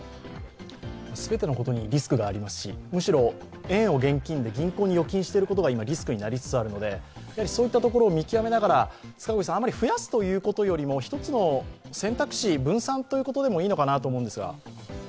全てのことにリスクがありますし、むしろ円を現金で、銀行に預金していることが今、リスクになりつつあるのでそういったところを見極めながらあまり増やすということよりも、一つの選択肢、分散ということでもいいのかなと思うんですが。